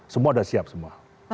semua sudah siap semua